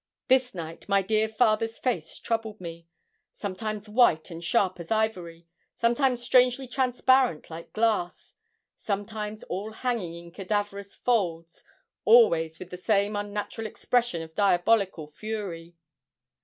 This night my dear father's face troubled me sometimes white and sharp as ivory, sometimes strangely transparent like glass, sometimes all hanging in cadaverous folds, always with the same unnatural expression of diabolical fury.